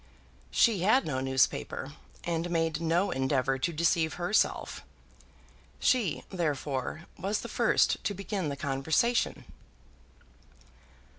She had no newspaper, and made no endeavour to deceive herself. She, therefore, was the first to begin the conversation.